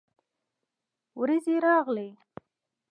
ورېځې راغلې